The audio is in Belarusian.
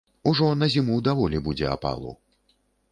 Ужо на зіму даволі будзе апалу.